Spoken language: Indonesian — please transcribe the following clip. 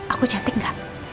aku cantik gak